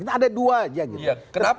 ini ada dua aja gitu